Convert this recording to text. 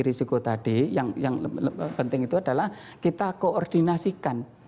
risiko tadi yang penting itu adalah kita koordinasikan